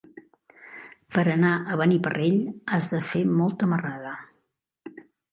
Per anar a Beniparrell has de fer molta marrada.